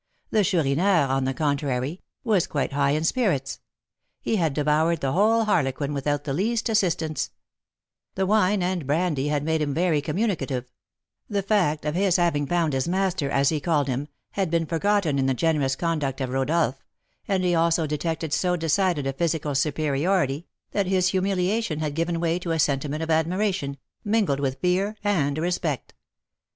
The Chourineur, on the contrary, was quite in high spirits; he had devoured the whole harlequin without the least assistance; the wine and brandy had made him very communicative; the fact of his having found his master, as he called him, had been forgotten in the generous conduct of Rodolph; and he also detected so decided a physical superiority, that his humiliation had given way to a sentiment of admiration, mingled with fear and respect.